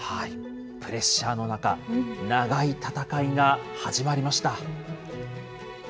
プレッシャーの中、長い戦いが始まりました。